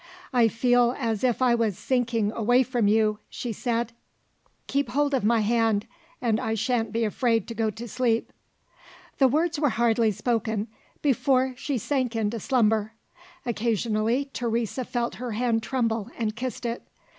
"I feel as if I was sinking away from you," she said; "keep hold of my hand and I shan't be afraid to go to sleep." The words were hardly spoken, before she sank into slumber. Occasionally, Teresa felt her hand tremble and kissed it.